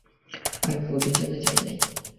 আরেকটা অভিযানে যাই না?